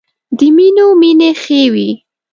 د مینو مینې ښې وې.